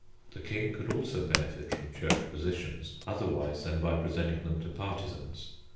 The King could also benefit from Church positions otherwise than by presenting them to partisans.